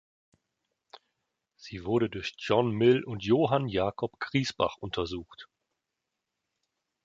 Sie wurde durch John Mill und Johann Jakob Griesbach untersucht.